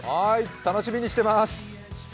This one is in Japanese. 楽しみにしてまーす。